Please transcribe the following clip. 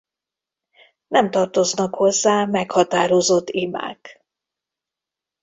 Nem tartoznak hozzá meghatározott imák.